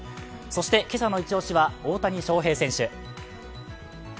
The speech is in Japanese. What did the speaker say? そして今朝のイチ押しは大谷翔平選手。